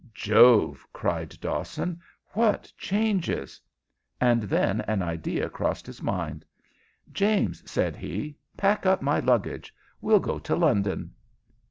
"Jove!" cried Dawson. "What changes!" And then an idea crossed his mind. "James," said he, "pack up my luggage. We'll go to London."